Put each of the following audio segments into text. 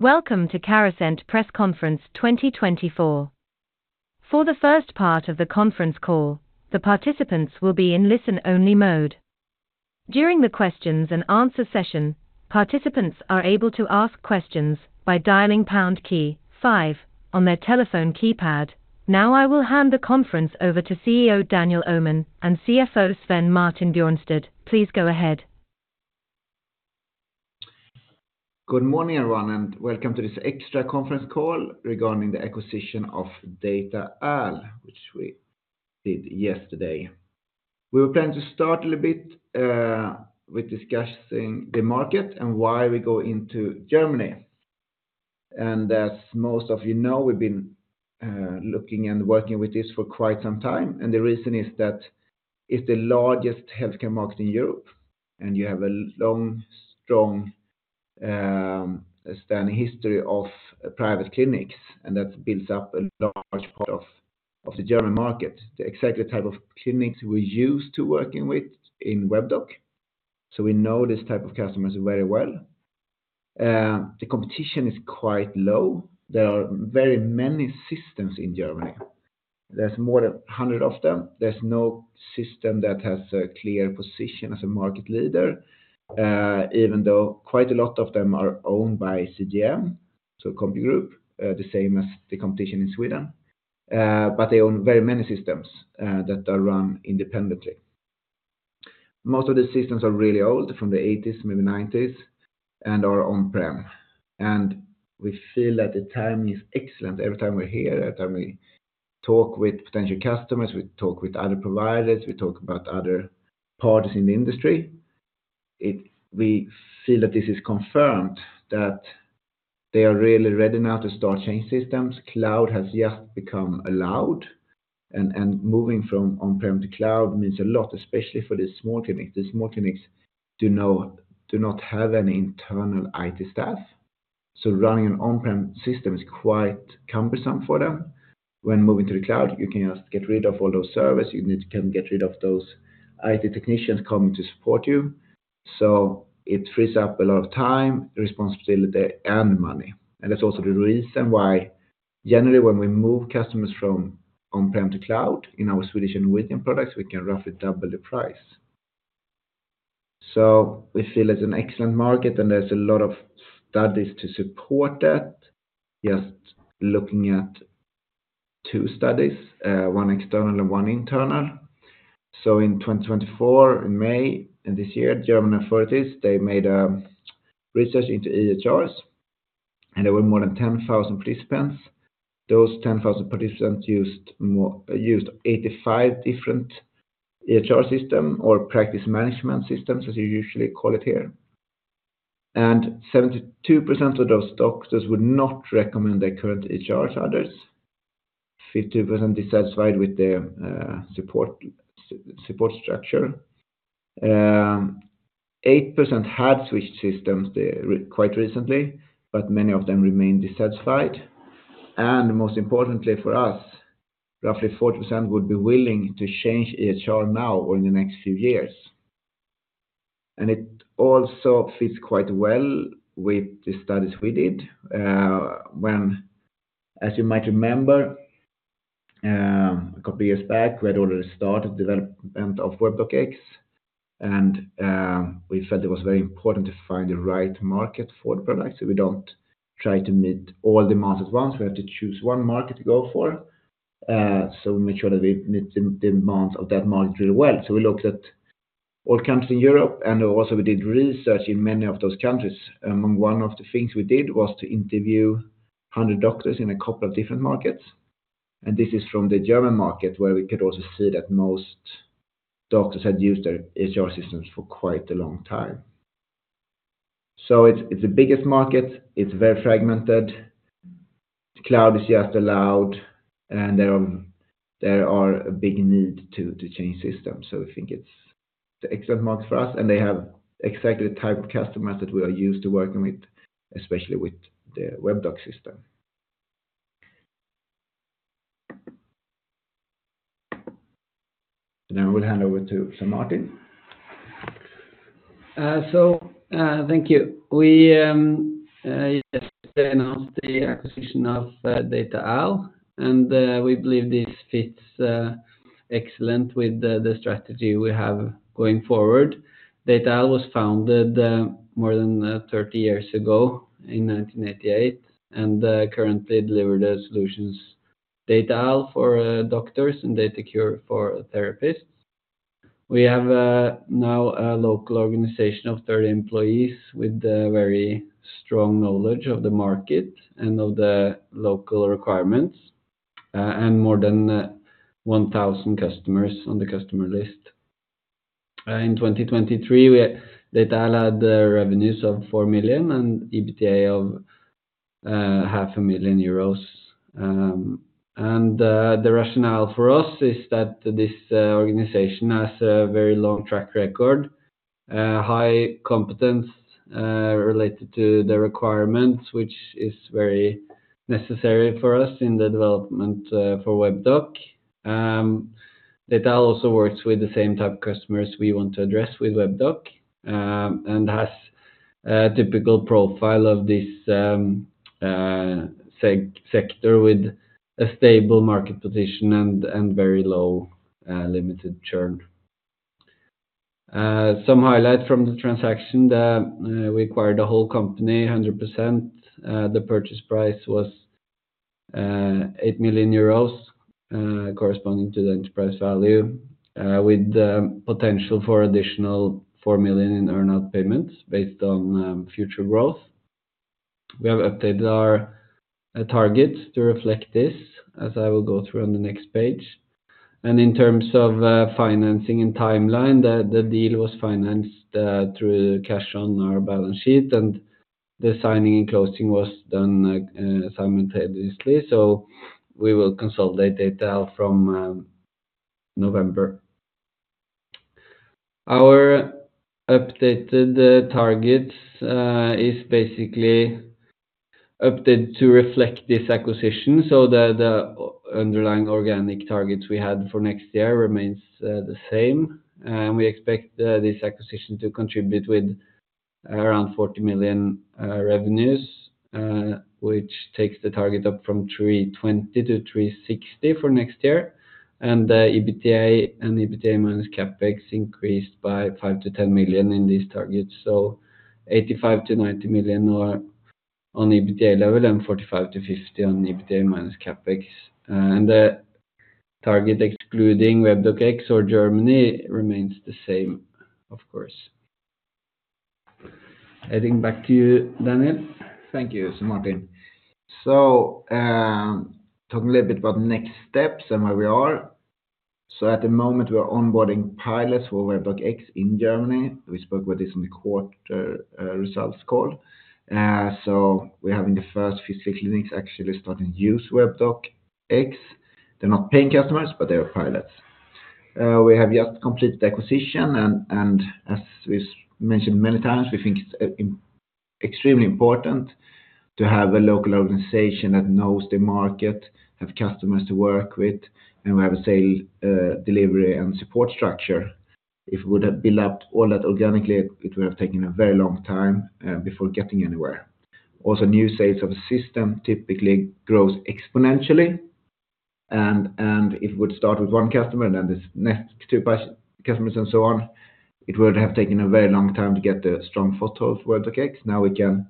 Welcome to Carasent Press Conference 2024. For the first part of the conference call, the participants will be in listen-only mode. During the questions and answer session, participants are able to ask questions by dialing pound key five on their telephone keypad. Now, I will hand the conference over to CEO Daniel Öhman and CFO Svein-Martin Bjørnstad. Please go ahead. Good morning, everyone, and welcome to this extra conference call regarding the acquisition of Data-AL, which we did yesterday. We were planning to start a little bit with discussing the market and why we go into Germany, and as most of you know, we've been looking and working with this for quite some time, and the reason is that it's the largest healthcare market in Europe, and you have a long, strong standing history of private clinics, and that builds up a large part of the German market. The exact type of clinics we're used to working with in Webdoc, so we know these type of customers very well. The competition is quite low. There are very many systems in Germany. There's more than 100 of them. There's no system that has a clear position as a market leader, even though quite a lot of them are owned by CGM, so CompuGroup, the same as the competition in Sweden. But they own very many systems that are run independently. Most of the systems are really old, from the 80s, maybe 90s, and are on-prem, and we feel that the time is excellent. Every time we're here, every time we talk with potential customers, we talk with other providers, we talk about other parties in the industry, we feel that this is confirmed that they are really ready now to start change systems. Cloud has just become allowed, and moving from on-prem to cloud means a lot, especially for the small clinics. The small clinics do not have any internal IT staff, so running an on-prem system is quite cumbersome for them. When moving to the cloud, you can just get rid of all those servers, you can get rid of those IT technicians coming to support you. So it frees up a lot of time, responsibility, and money. And that's also the reason why generally, when we move customers from on-prem to cloud in our Swedish and Norwegian products, we can roughly double the price. So we feel it's an excellent market, and there's a lot of studies to support that. Just looking at two studies, one external and one internal. So in 2024, in May, and this year, German authorities, they made a research into EHRs, and there were more than 10,000 participants. Those 10,000 participants used 85 different EHR system or practice management systems, as you usually call it here, and 72% of those doctors would not recommend their current EHRs to others. 50% dissatisfied with their support structure. 8% had switched systems quite recently, but many of them remained dissatisfied, and most importantly for us, roughly 40% would be willing to change EHR now or in the next few years, and it also fits quite well with the studies we did when, as you might remember, a couple of years back, we had already started development of Webdoc X, and we felt it was very important to find the right market for the product, so we don't try to meet all demands at once. We have to choose one market to go for, so we make sure that we meet the demands of that market really well, so we looked at all countries in Europe, and also we did research in many of those countries. One of the things we did was to interview a hundred doctors in a couple of different markets, and this is from the German market, where we could also see that most doctors had used their EHR systems for quite a long time, so it's the biggest market, it's very fragmented, the cloud is just allowed, and there is a big need to change systems, so we think it's an excellent market for us, and they have exactly the type of customers that we are used to working with, especially with the Webdoc system. Now, I will hand over to Svein-Martin. So, thank you. We yesterday announced the acquisition of Data-AL, and we believe this fits excellent with the strategy we have going forward. Data-AL was founded more than 30 years ago in 1988, and currently deliver the solutions, Data-AL for doctors and Data-Cur for therapists. We have now a local organization of 30 employees with a very strong knowledge of the market and of the local requirements, and more than 1,000 customers on the customer list. In 2023, Data-AL had revenues of 4 million and EBITDA of 500,000 euros. And the rationale for us is that this organization has a very long track record, high competence related to the requirements, which is very necessary for us in the development for Webdoc. Data-AL also works with the same type of customers we want to address with Webdoc, and has typical profile of this sector with a stable market position and very low limited churn. Some highlights from the transaction that we acquired the whole company, 100%. The purchase price was 8 million euros, corresponding to the enterprise value, with the potential for additional 4 million in earn-out payments based on future growth. We have updated our targets to reflect this, as I will go through on the next page. In terms of financing and timeline, the deal was financed through cash on our balance sheet, and the signing and closing was done simultaneously, so we will consolidate Data-AL from November. Our updated targets is basically updated to reflect this acquisition, so the underlying organic targets we had for next year remains the same. And we expect this acquisition to contribute with around 40 million revenues, which takes the target up from 320 million to 360 million for next year. And EBITDA and EBITDA minus CapEx increased by 5 million- 10 million in these targets, so 85 million-90 million on EBITDA level, and 45 million- 50 million on EBITDA minus CapEx. And the target, excluding Webdoc X or Germany, remains the same, of course. Heading back to you, Daniel. Thank you, Svein-Martin. Talking a little bit about next steps and where we are. At the moment, we are onboarding pilots for Webdoc X in Germany. We spoke about this in the quarter results call. We're having the first 50 clinics actually starting to use Webdoc X. They're not paying customers, but they are pilots. We have yet completed the acquisition, and as we've mentioned many times, we think it's extremely important to have a local organization that knows the market, have customers to work with, and we have a sales delivery and support structure. If we would have built up all that organically, it would have taken a very long time before getting anywhere. Also, new sales of a system typically grows exponentially, and it would start with one customer, and then this next two customers, and so on. It would have taken a very long time to get the strong foothold for Webdoc X. Now we can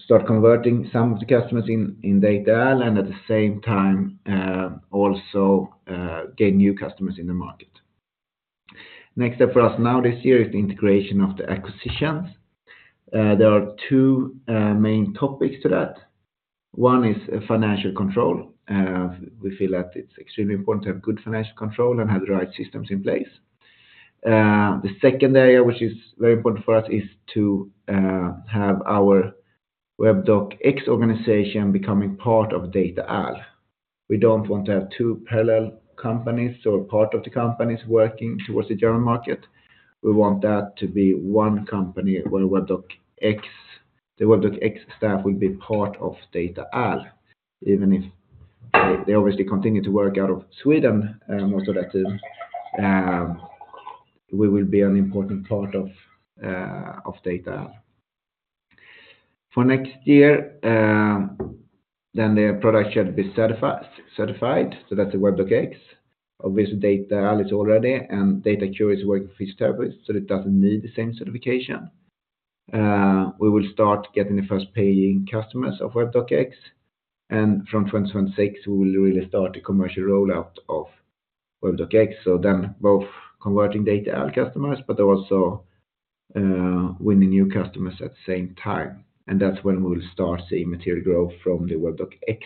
start converting some of the customers in Data-AL, and at the same time, also, get new customers in the market. Next step for us now this year is the integration of the acquisitions. There are two main topics to that. One is financial control. We feel that it's extremely important to have good financial control and have the right systems in place. The second area, which is very important for us, is to have our Webdoc X organization becoming part of Data-AL. We don't want to have two parallel companies or part of the companies working towards the German market. We want that to be one company, where Webdoc X, the Webdoc X staff will be part of Data-AL, even if they obviously continue to work out of Sweden, most of that team, we will be an important part of Data-AL. For next year, then their product should be certified, so that's the Webdoc X. Obviously, Data-AL is already, and Data-Cur is working with established, so it doesn't need the same certification. We will start getting the first paying customers of Webdoc X, and from 2027, we will really start the commercial rollout of Webdoc X. So then both converting Data-AL customers, but also, winning new customers at the same time, and that's when we will start seeing material growth from the Webdoc X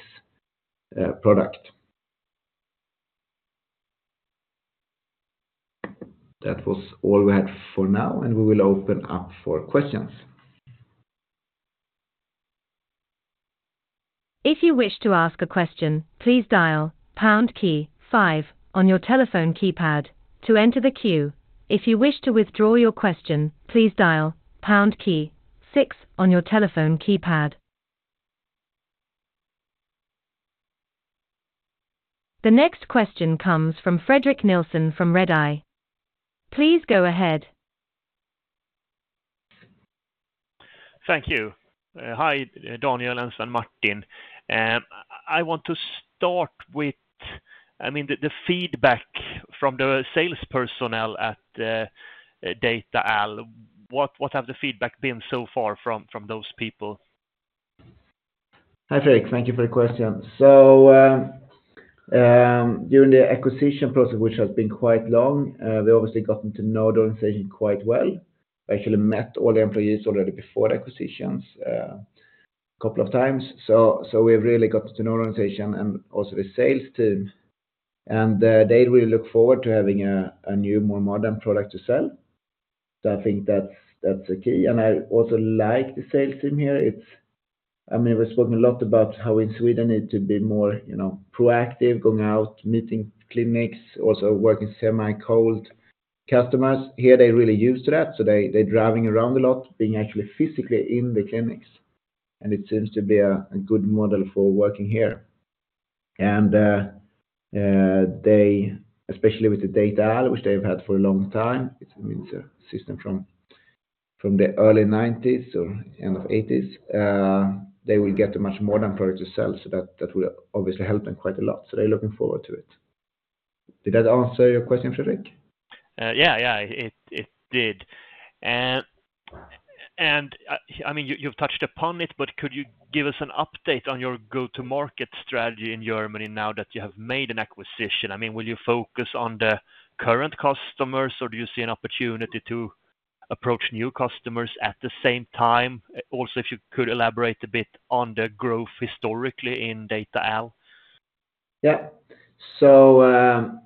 product. That was all we had for now, and we will open up for questions. If you wish to ask a question, please dial pound key five on your telephone keypad to enter the queue. If you wish to withdraw your question, please dial pound key six on your telephone keypad. The next question comes from Fredrik Nilsson from Redeye. Please go ahead. Thank you. Hi, Daniel and Martin. I want to start with, I mean, the feedback from the sales personnel at Data-AL. What have the feedback been so far from those people? Hi, Fredrik. Thank you for the question. So, during the acquisition process, which has been quite long, we obviously gotten to know the organization quite well. I actually met all the employees already before the acquisitions, couple of times. So, we've really got to know the organization and also the sales team, and, they really look forward to having a new, more modern product to sell. So I think that's the key. And I also like the sales team here. It's, I mean, we've spoken a lot about how in Sweden, it to be more proactive, going out, meeting clinics, also working semi-cold customers here, they're really used to that, so they, they're driving around a lot, being actually physically in the clinics, and it seems to be a good model for working here. They, especially with the Data-Al, which they've had for a long time, it's, I mean, it's a system from the early nineties or end of eighties, they will get a much more than product to sell, so that will obviously help them quite a lot. So they're looking forward to it. Did that answer your question, Fredrik? Yeah, it did. I mean, you've touched upon it, but could you give us an update on your go-to-market strategy in Germany now that you have made an acquisition? I mean, will you focus on the current customers, or do you see an opportunity to approach new customers at the same time? Also, if you could elaborate a bit on the growth historically in Data-AL? Yeah. So,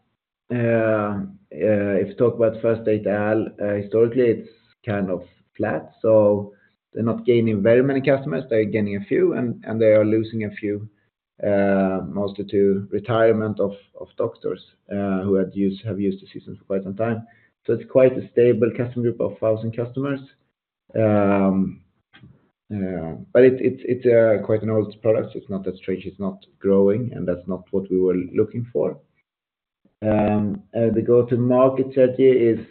if you talk about first Data-AL, historically, it's kind of flat, so they're not gaining very many customers. They're gaining a few, and they are losing a few, mostly to retirement of doctors, who have used the system for quite some time. So it's quite a stable customer group of thousand customers. But it's a quite an old product. It's not that strange. It's not growing, and that's not what we were looking for. The go-to-market strategy is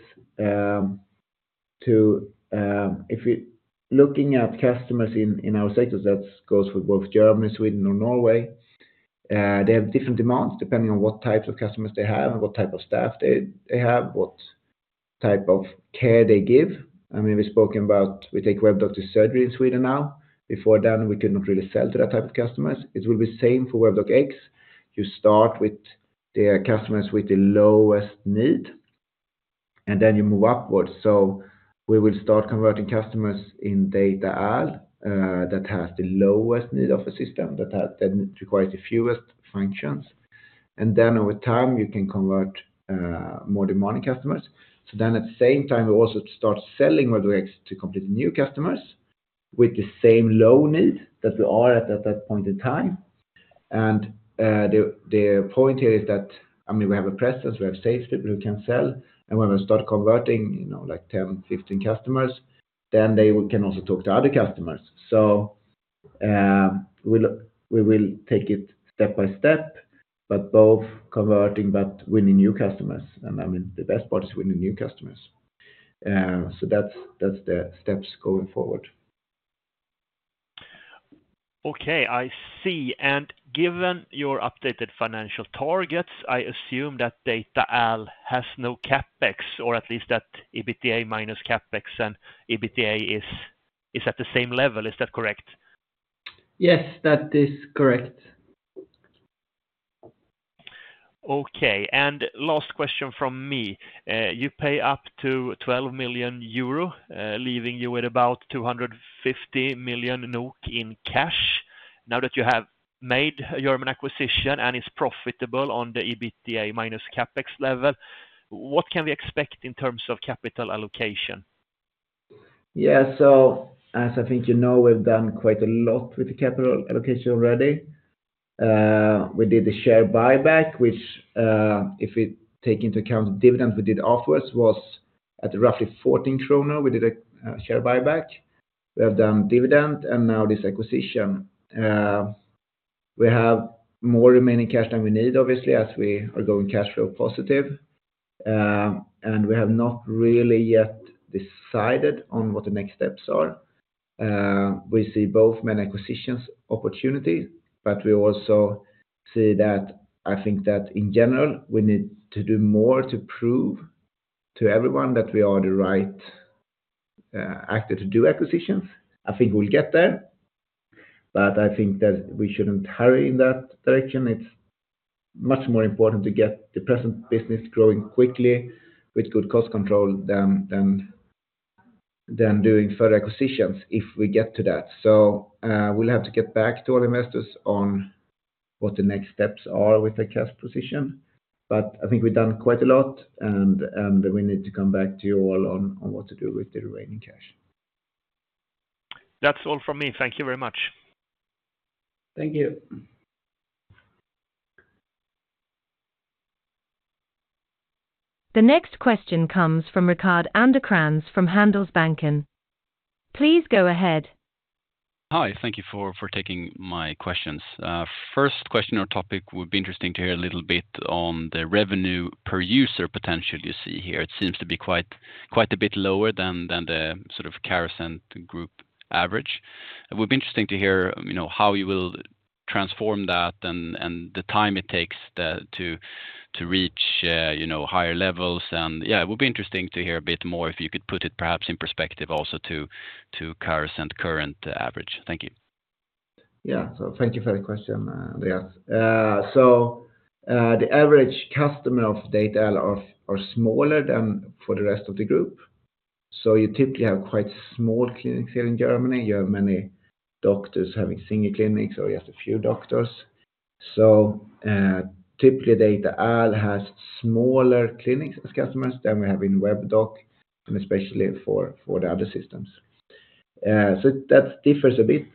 to if we looking at customers in our sectors, that goes for both Germany, Sweden or Norway. They have different demands depending on what types of customers they have and what type of staff they have, what type of care they give. I mean, we spoken about, we take Webdoc to surgery in Sweden now. Before then, we could not really sell to that type of customers. It will be same for Webdoc X. You start with the customers with the lowest need, and then you move upwards. So we will start converting customers in Data-AL that has the lowest need of a system that requires the fewest functions. And then over time, you can convert more demanding customers. So then at the same time, we also start selling Webdoc X to completely new customers with the same low need that we are at that point in time. The point here is that, I mean, we have a presence. We have safety. We can sell, and when we start converting, you know, like 10, 15 customers, then they can also talk to other customers. We will take it step by step, but both converting, but winning new customers. I mean, the best part is winning new customers. That's the steps going forward. Okay, I see. And given your updated financial targets, I assume that Data-AL has no CapEx, or at least that EBITDA minus CapEx and EBITDA is at the same level. Is that correct? Yes, that is correct. Okay, and last question from me. You pay up to 12 million euro, leaving you with about 250 million NOK in cash. Now that you have made a German acquisition and is profitable on the EBITDA minus CapEx level, what can we expect in terms of capital allocation? Yeah, so as I think you know, we've done quite a lot with the capital allocation already. We did the share buyback, which, if we take into account the dividend we did afterwards, was at roughly 14 kroner. We did a share buyback. We have done dividend, and now this acquisition. We have more remaining cash than we need, obviously, as we are going cash flow positive, and we have not really yet decided on what the next steps are. We see both many acquisitions opportunity, but we also see that, I think that in general, we need to do more to prove to everyone that we are the right actor to do acquisitions. I think we'll get there, but I think that we shouldn't hurry in that direction. It's much more important to get the present business growing quickly with good cost control than doing further acquisitions, if we get to that. So, we'll have to get back to our investors on what the next steps are with the cash position, but I think we've done quite a lot, and we need to come back to you all on what to do with the remaining cash. That's all from me. Thank you very much. Thank you. The next question comes from Rickard Anderkrans from Handelsbanken. Please go ahead. Hi, thank you for taking my questions. First question or topic would be interesting to hear a little bit on the revenue per user potential you see here. It seems to be quite a bit lower than the sort of Carasent group average. It would be interesting to hear, you know, how you will transform that and the time it takes to reach, you know, higher levels. Yeah, it would be interesting to hear a bit more if you could put it perhaps in perspective also to Carasent current average. Thank you. Yeah, so thank you for the question, yes. So the average customer of Data-AL are smaller than for the rest of the group. So you typically have quite small clinics here in Germany. You have many doctors having senior clinics or you have a few doctors. So typically, Data-AL has smaller clinics as customers than we have in Webdoc, and especially for the other systems. So that differs a bit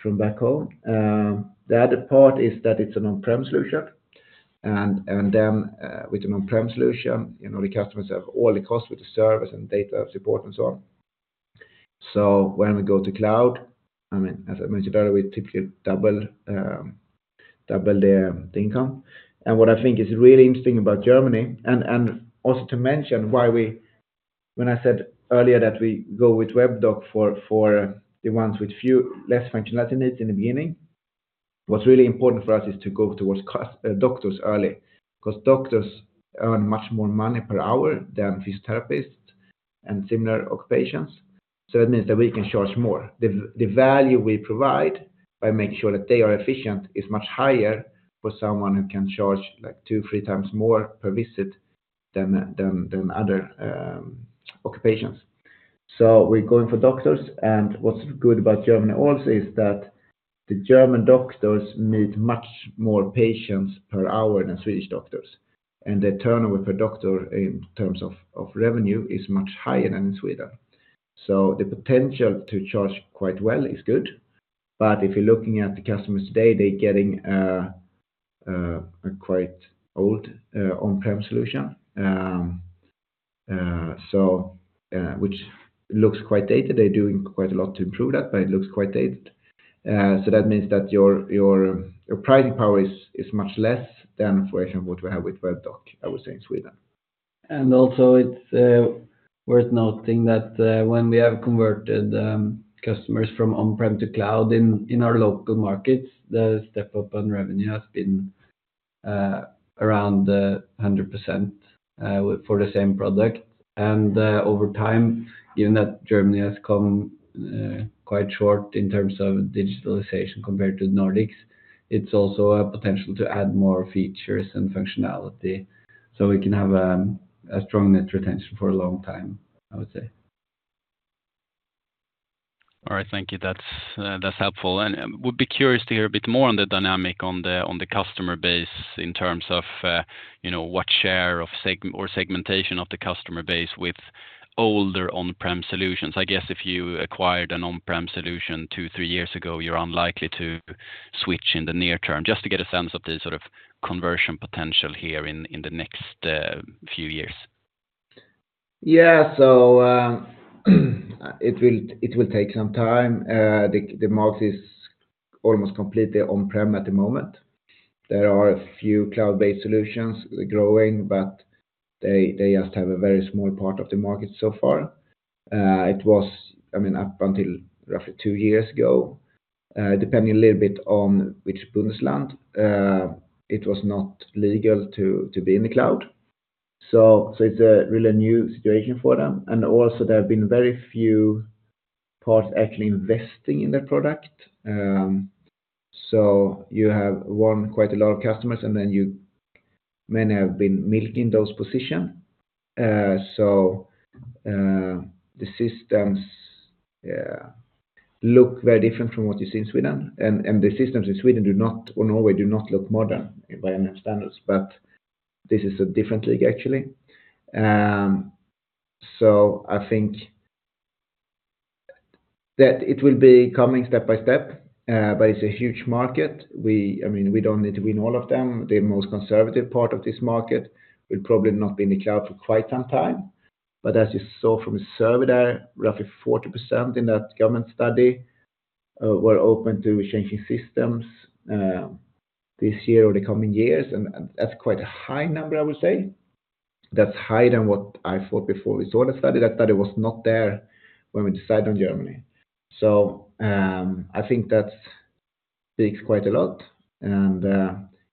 from back home. The other part is that it's an on-prem solution, and then with an on-prem solution, you know, the customers have all the costs with the service and data support and so on. So when we go to cloud, I mean, as I mentioned earlier, we typically double the income. What I think is really interesting about Germany, and also to mention why we, when I said earlier that we go with Webdoc for the ones with few less functionality needs in the beginning, what's really important for us is to go towards doctors early, 'cause doctors earn much more money per hour than physiotherapists and similar occupations, so that means that we can charge more. The value we provide by making sure that they are efficient, is much higher for someone who can charge like 2x, 3x more per visit than other occupations. So we're going for doctors, and what's good about Germany also is that the German doctors meet much more patients per hour than Swedish doctors, and the turnover per doctor in terms of revenue is much higher than in Sweden. So the potential to charge quite well is good, but if you're looking at the customers today, they're getting a quite old on-prem solution, which looks quite dated. They're doing quite a lot to improve that, but it looks quite dated. So that means that your pricing power is much less than for what we have with Webdoc, I would say, in Sweden. And also it's worth noting that when we have converted customers from on-prem to cloud in our local markets, the step up on revenue has been around 100% for the same product. And over time, given that Germany has come quite short in terms of digitalization compared to the Nordics, it's also a potential to add more features and functionality, so we can have a strong net retention for a long time, I would say. All right, thank you. That's, that's helpful. I would be curious to hear a bit more on the dynamic on the customer base in terms of, you know, what share of segmentation of the customer base with older on-prem solutions. I guess if you acquired an on-prem solution two, three years ago, you're unlikely to switch in the near term. Just to get a sense of the sort of conversion potential here in the next few years. Yeah. So, it will take some time. The market is almost completely on-prem at the moment. There are a few cloud-based solutions growing, but they just have a very small part of the market so far. It was, I mean, up until roughly two years ago, depending a little bit on which Bundesland, it was not legal to be in the cloud. So it's a really new situation for them. And also there have been very few players actually investing in their product. So you have won quite a lot of customers, and then you may have been milking those positions. The systems look very different from what you see in Sweden. The systems in Sweden do not, or Norway, do not look modern by any standards, but this is a different league actually. So I think that it will be coming step by step, but it's a huge market. I mean, we don't need to win all of them. The most conservative part of this market will probably not be in the cloud for quite some time. But as you saw from the survey there, roughly 40% in that government study were open to changing systems this year or the coming years, and that's quite a high number, I would say. That's higher than what I thought before we saw the study. That study was not there when we decided on Germany. So, I think that speaks quite a lot, and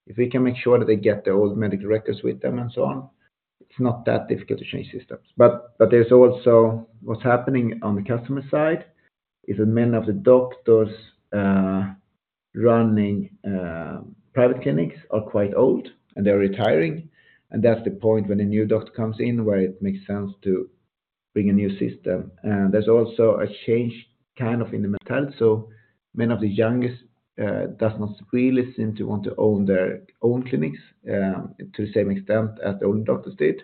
if we can make sure that they get their old medical records with them and so on, it's not that difficult to change systems. But there's also what's happening on the customer side, is that many of the doctors running private clinics are quite old, and they're retiring. And that's the point when a new doctor comes in, where it makes sense to bring a new system. And there's also a change kind of in the mentality. So many of the youngest does not really seem to want to own their own clinics to the same extent as the old doctors did.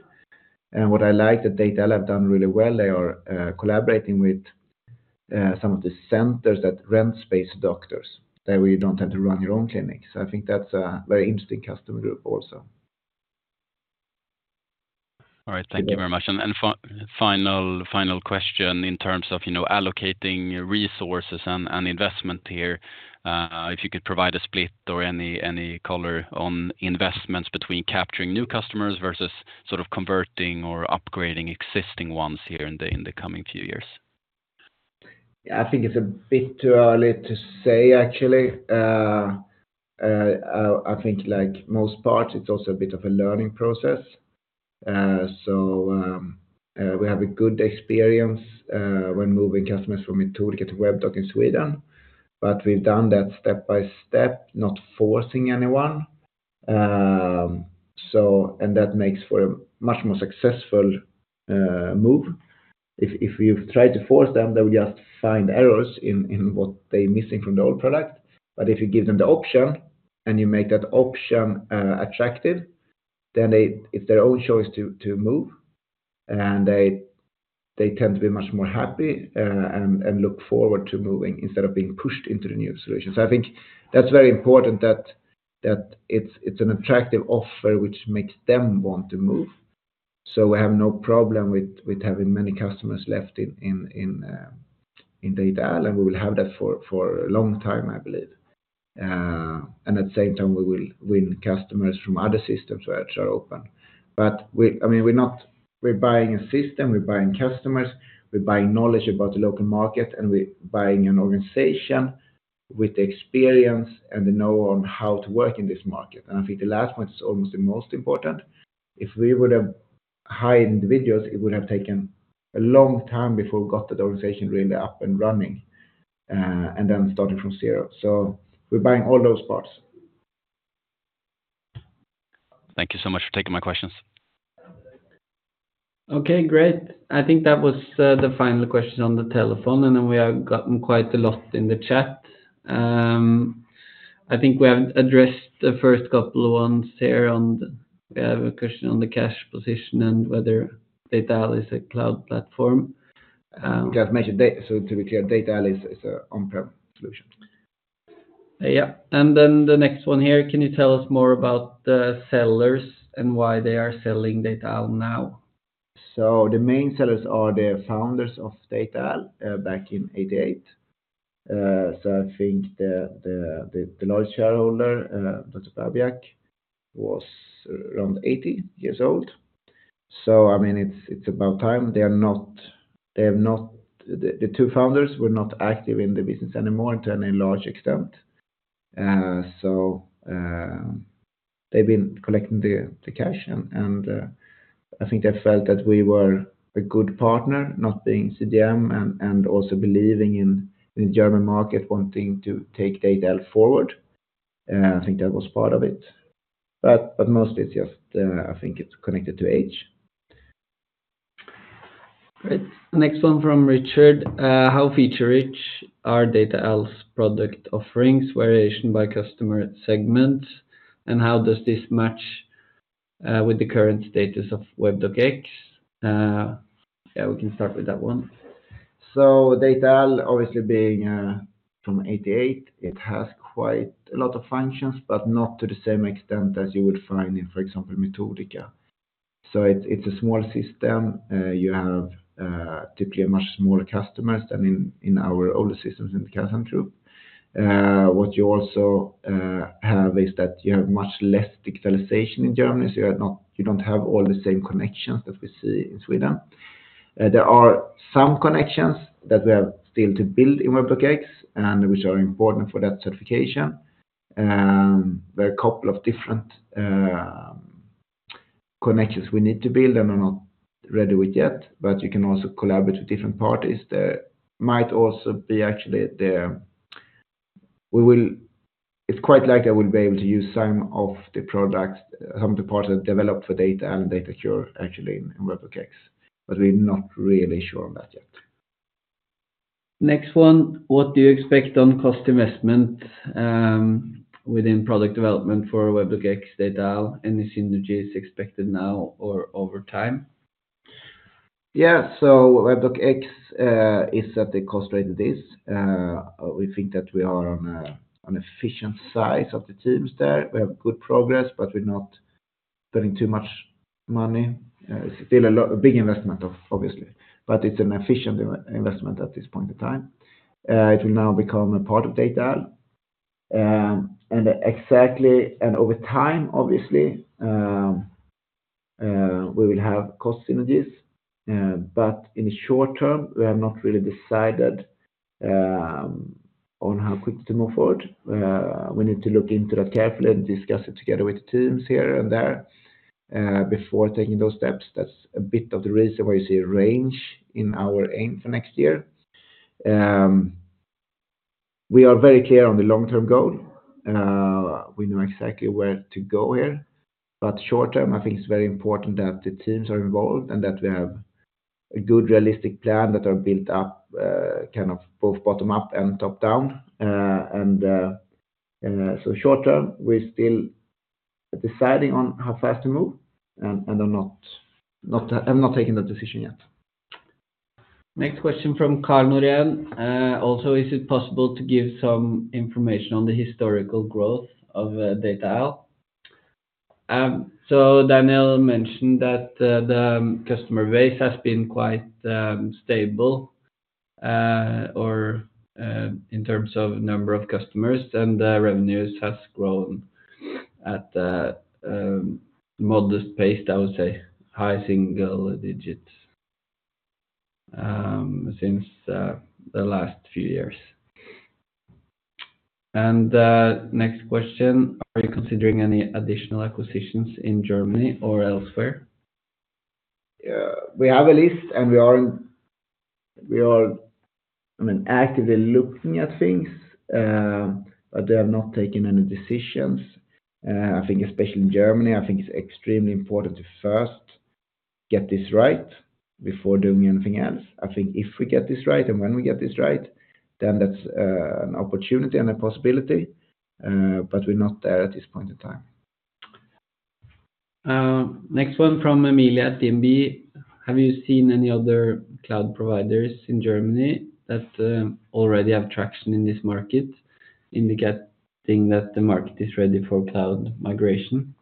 What I like, that they'll have done really well, they are collaborating with some of the centers that rent space to doctors, that way you don't have to run your own clinics. So I think that's a very interesting customer group also. All right. Thank you very much. And final question in terms of, you know, allocating resources and investment here. If you could provide a split or any color on investments between capturing new customers versus sort of converting or upgrading existing ones here in the coming few years. I think it's a bit too early to say, actually. I think like most parts, it's also a bit of a learning process. We have a good experience when moving customers from Metodika to Webdoc in Sweden, but we've done that step by step, not forcing anyone. And that makes for a much more successful move. If we've tried to force them, they will just find errors in what they're missing from the old product. But if you give them the option, and you make that option attractive, then it's their own choice to move, and they tend to move-- Then it's their own choice to move, and they tend to move. Get this right before doing anything else. I think if we get this right, and when we get this right, then that's an opportunity and a possibility, but we're not there at this point in time. Next one from Emilia DNB: Have you seen any other cloud providers in Germany that already have traction in this market, indicating that the market is ready for cloud migration?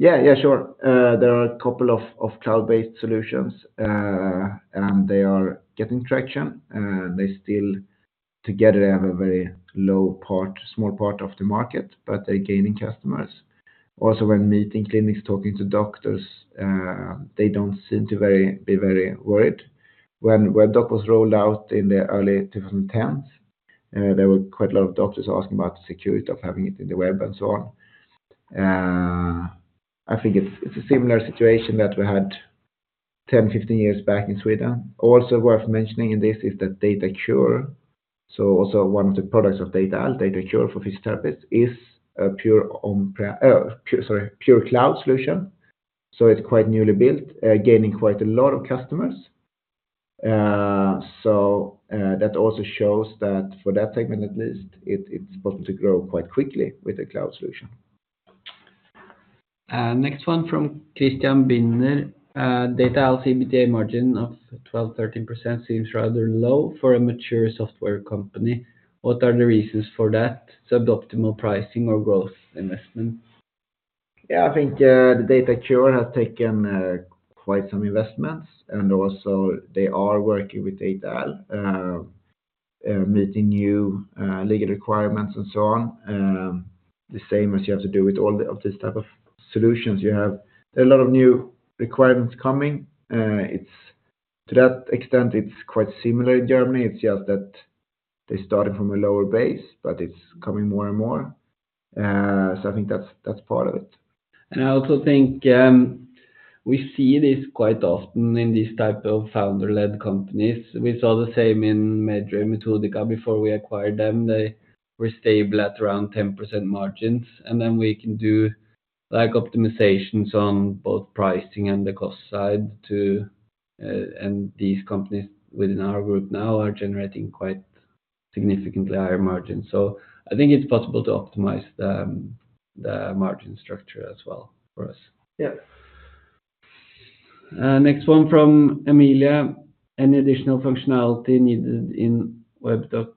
Yeah, yeah, sure. There are a couple of cloud-based solutions, and they are getting traction. They still, together, have a very low small part of the market, but they're gaining customers. Also, when meeting clinics, talking to doctors, they don't seem to be very worried. When Webdoc was rolled out in the early two thousand and tens, there were quite a lot of doctors asking about the security of having it in the web and so on. I think it's a similar situation that we had ten, fifteen years back in Sweden. Also worth mentioning in this is the Data-Cur. So also one of the products of Data-AL, Data-Cur for physiotherapists, is a pure cloud solution, so it's quite newly built, gaining quite a lot of customers. So, that also shows that for that segment, at least, it's possible to grow quite quickly with a cloud solution. Next one from Christian Binder. Data-AL EBITDA margin of 12%-13% seems rather low for a mature software company. What are the reasons for that? Suboptimal pricing or growth investment? Yeah, I think the Data-Cur has taken quite some investments, and also they are working with Data-AL, meeting new legal requirements and so on. The same as you have to do with all of this type of solutions you have. There are a lot of new requirements coming, to that extent, it's quite similar in Germany. It's just that they started from a lower base, but it's coming more and more. So I think that's part of it. And I also think we see this quite often in these type of founder-led companies. We saw the same in Medrave and Metodika before we acquired them. They were stable at around 10% margins, and then we can do like optimizations on both pricing and the cost side too, and these companies within our group now are generating quite significantly higher margins. So I think it's possible to optimize the margin structure as well for us. Yeah. Next one from Emilia. Any additional functionality needed in Webdoc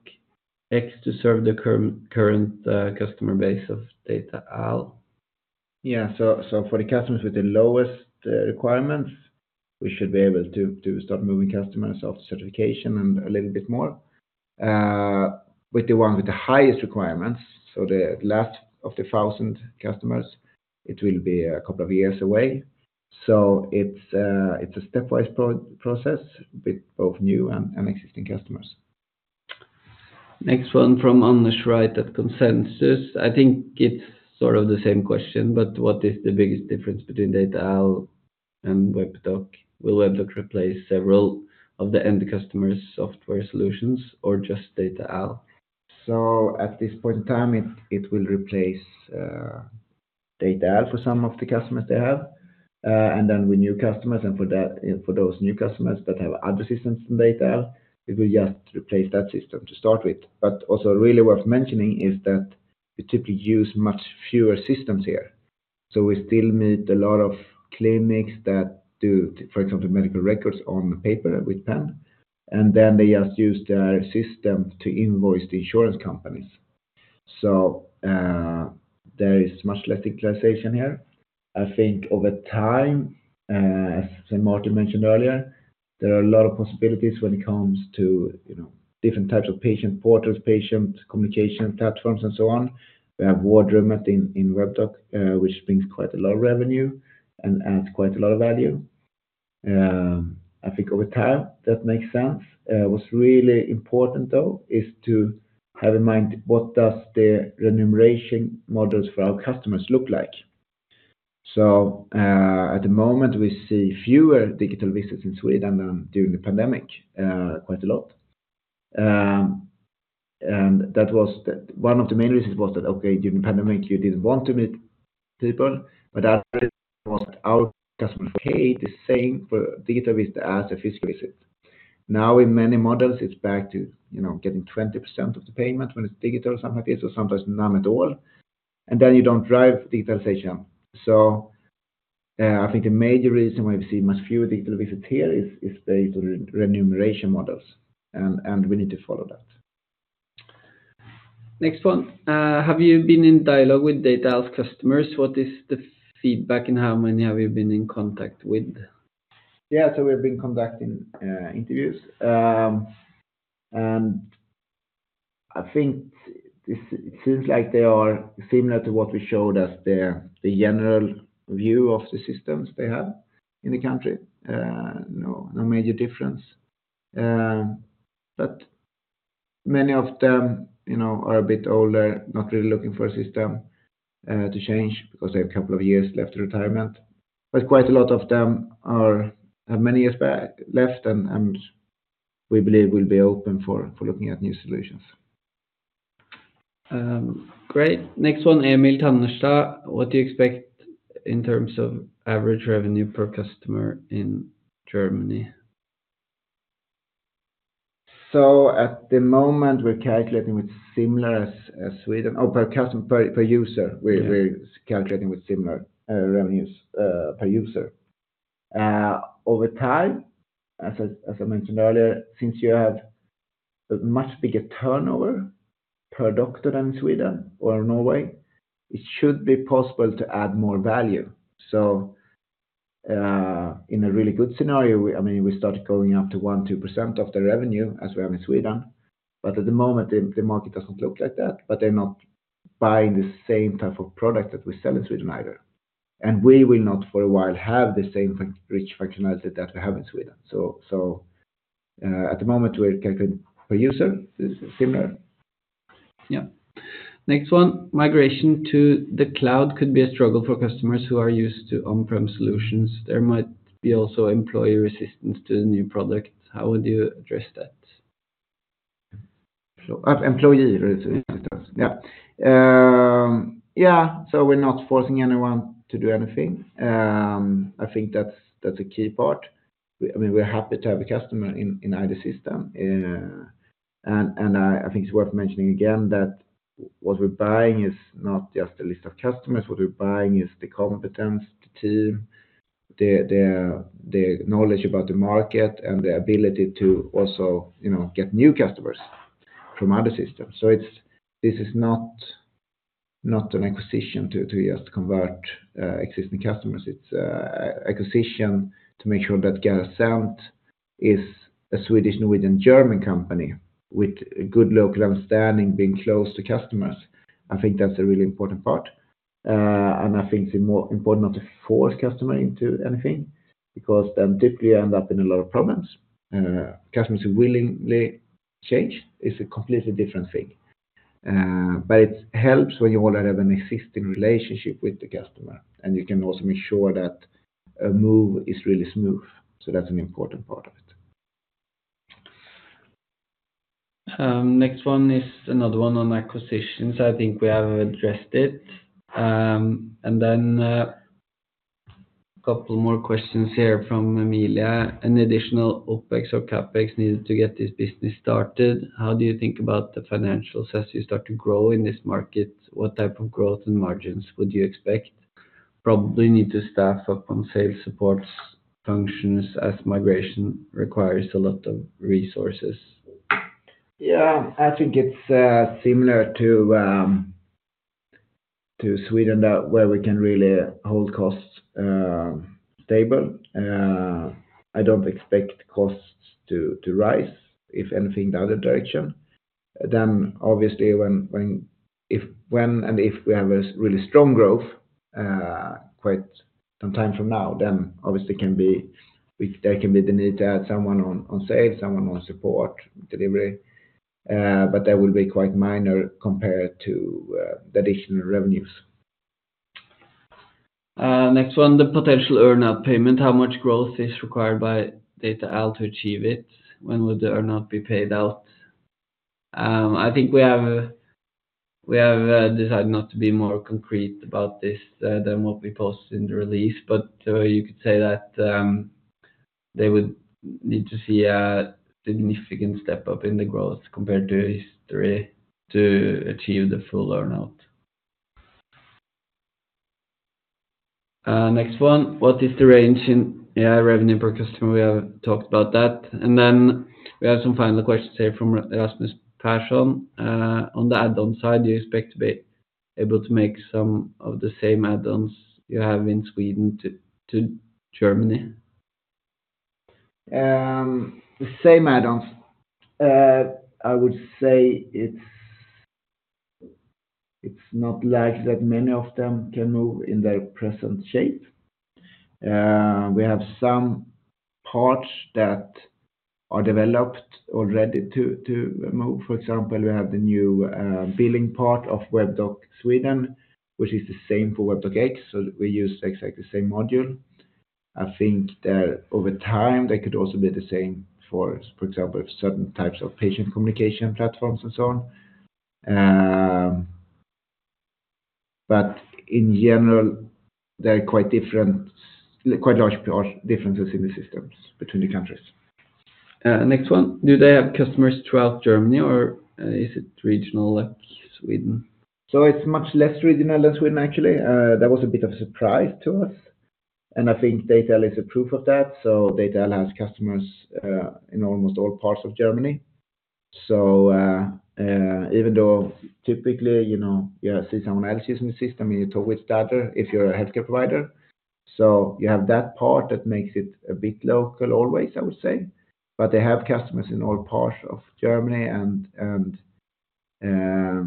X to serve the current customer base of Data-Al? Yeah. So for the customers with the lowest requirements, we should be able to start moving customers of certification and a little bit more. With the one with the highest requirements, so the last of the thousand customers, it will be a couple of years away. So it's a stepwise process with both new and existing customers. Next one from Anders Wright at Consensus. I think it's sort of the same question, but what is the biggest difference between Data-AL and Webdoc? Will Webdoc replace several of the end customers software solutions or just Data-AL? So at this point in time, it will replace Data-AL for some of the customers they have. And then with new customers, and for those new customers that have other systems from Data-AL, it will just replace that system to start with. But also really worth mentioning is that we typically use much fewer systems here. So we still meet a lot of clinics that do, for example, medical records on paper with pen, and then they just use their system to invoice the insurance companies. So, there is much less digitalization here. I think over time, as Martin mentioned earlier, there are a lot of possibilities when it comes to, you know, different types of patient portals, patient communication platforms, and so on. We have Vårdrummet in Webdoc, which brings quite a lot of revenue and adds quite a lot of value. I think over time, that makes sense. What's really important, though, is to have in mind what does the remuneration models for our customers look like? So, at the moment, we see fewer digital visits in Sweden than during the pandemic, quite a lot. And one of the main reasons was that, okay, during the pandemic, you didn't want to meet people, but our customers paid the same for a digital visit as a physical visit. Now, in many models, it's back to, you know, getting 20% of the payment when it's digital, something like this, or sometimes none at all, and then you don't drive digitalization. I think the major reason why we see much fewer digital visits here is the remuneration models, and we need to follow that. Next one. Have you been in dialogue with Data-AL's customers? What is the feedback and how many have you been in contact with? Yeah, so we've been conducting interviews. And I think this, it seems like they are similar to what we showed as the general view of the systems they have in the country. No major difference. But many of them, you know, are a bit older, not really looking for a system to change because they have a couple of years left to retirement. But quite a lot of them have many years back left, and we believe will be open for looking at new solutions. Great. Next one, Emil Tannerstad, what do you expect in terms of average revenue per customer in Germany? So at the moment, we're calculating with similar as Sweden. Oh, per customer, per user. We're calculating with similar revenues per user. Over time, as I mentioned earlier, since you have a much bigger turnover per doctor than in Sweden or Norway, it should be possible to add more value. So, in a really good scenario, I mean, we started going up to 1%-2% of the revenue as we have in Sweden, but at the moment, the market doesn't look like that, but they're not buying the same type of product that we sell in Sweden either. And we will not for a while have the same rich functionality that we have in Sweden. So, at the moment, we're calculating per user is similar. Yeah. Next one, migration to the cloud could be a struggle for customers who are used to on-prem solutions. There might be also employee resistance to the new product. How would you address that? So, employee resistance. Yeah. So we're not forcing anyone to do anything. I think that's a key part. I mean, we're happy to have a customer in either system, and I think it's worth mentioning again that what we're buying is not just a list of customers. What we're buying is the competence, the team, the knowledge about the market, and the ability to also, you know, get new customers from other systems. So this is not an acquisition to just convert existing customers. It's acquisition to make sure that Carasent is a Swedish, Norwegian, German company with a good local understanding, being close to customers. I think that's a really important part. And I think it's more important not to force customer into anything, because then typically end up in a lot of problems. Customers who willingly change is a completely different thing, but it helps when you already have an existing relationship with the customer, and you can also make sure that a move is really smooth. So that's an important part of it. Next one is another one on acquisitions. I think we have addressed it, and then couple more questions here from Emilia. Any additional OpEx or CapEx needed to get this business started, how do you think about the financials as you start to grow in this market? What type of growth and margins would you expect? Probably need to staff up on sales support functions as migration requires a lot of resources. Yeah, I think it's similar to Sweden, where we can really hold costs stable. I don't expect costs to rise, if anything, the other direction. Then obviously, if we have a really strong growth quite some time from now, then obviously there can be the need to add someone on sales, someone on support, delivery, but that will be quite minor compared to the additional revenues. Next one, the potential earn-out payment, how much growth is required by Data-AL to achieve it? When would the earn-out be paid out? I think we have decided not to be more concrete about this than what we posted in the release, but you could say that they would need to see a significant step up in the growth compared to history to achieve the full earn-out. Next one, what is the range in AI revenue per customer? We have talked about that. And then we have some final questions here from Rasmus Persson. On the add-on side, do you expect to be able to make some of the same add-ons you have in Sweden to Germany? The same add-ons, I would say it's not like that many of them can move in their present shape. We have some parts that are developed already to move. For example, we have the new billing part of Webdoc Sweden, which is the same for Webdoc X, so we use exactly the same module. I think that over time, they could also be the same for example, certain types of patient communication platforms and so on. But in general, they're quite different, quite large differences in the systems between the countries. Next one, do they have customers throughout Germany, or, is it regional like Sweden? So it's much less regional than Sweden, actually. That was a bit of a surprise to us, and I think Data-AL is a proof of that. So Data-AL has customers in almost all parts of Germany. Even though typically, you know, you have system analysis in the system, you talk with Data-AL if you're a healthcare provider. So you have that part that makes it a bit local, always, I would say, but they have customers in all parts of Germany, and a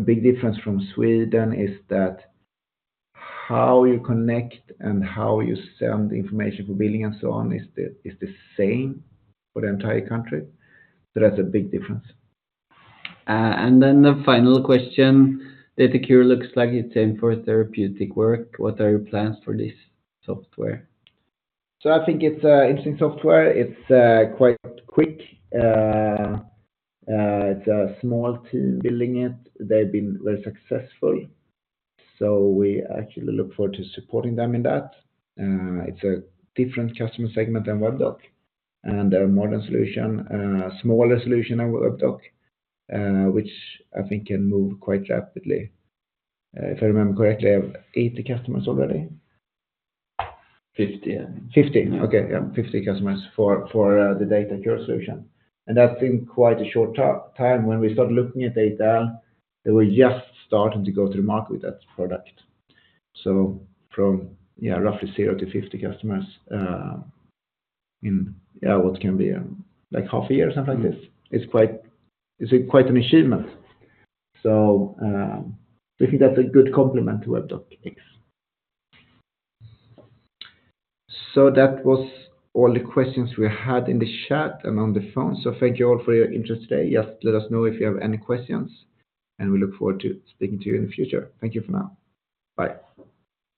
big difference from Sweden is that how you connect and how you send information for billing and so on is the same for the entire country. So that's a big difference. And then the final question: Data-Cur looks like it's in for therapeutic work. What are your plans for this software? So I think it's interesting software. It's quite quick. It's a small team building it. They've been very successful, so we actually look forward to supporting them in that. It's a different customer segment than Webdoc, and they're a modern solution, smaller solution than Webdoc, which I think can move quite rapidly. If I remember correctly, they have 80 customers already? 50, I think. 50, okay. Yeah, 50 customers for the Data-Cur solution, and that's been quite a short time. When we started looking at Data-AL, they were just starting to go to the market with that product. So from, yeah, roughly zero to fifty customers in what can be like half a year or something like this. It's quite an achievement. So, we think that's a good complement to Webdoc X. So that was all the questions we had in the chat and on the phone. So thank you all for your interest today. Just let us know if you have any questions, and we look forward to speaking to you in the future. Thank you for now. Bye.